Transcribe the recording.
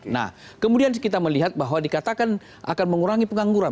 nah kemudian kita melihat bahwa dikatakan akan mengurangi pengangguran